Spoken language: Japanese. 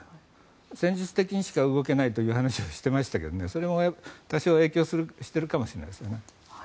戦術的にしか動けないという話もしていましたがそれも多少影響しているかもしれないですね。